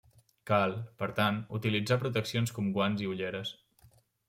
Cal, per tant, utilitzar proteccions com guants i ulleres.